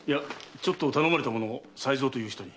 ちょっと頼まれたものを才蔵という人に。